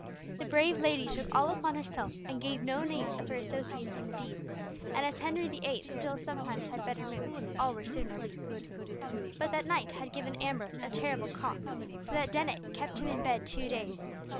The brave lady took all upon herself, and gave no names of her associates in the deed, and as Henry VIII. still sometimes had better moods, all were soon released. But that night had given Ambrose a terrible cough, so that Dennet kept him in bed two days.